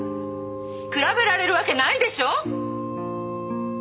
比べられるわけないでしょ？